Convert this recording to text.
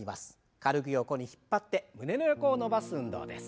軽く横に引っ張って胸の横を伸ばす運動です。